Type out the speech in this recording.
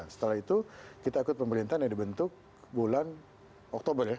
setelah itu kita ikut pemerintahan yang dibentuk bulan oktober ya